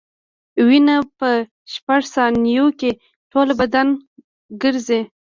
وینه په شپږ ثانیو کې ټول بدن ګرځي.